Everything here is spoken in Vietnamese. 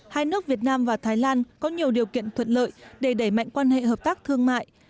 hai nước việt nam và thái lan có nhiều điều kiện thuận lợi để đẩy mạnh quan hệ hợp tác thương mại